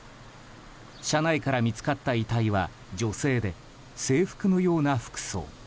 車内から見つかった遺体は女性で制服のような服装。